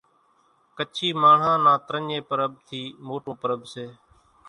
ڪڇي ماڻۿان نان ترڃي پرٻ ٿي موٽون پرٻ سي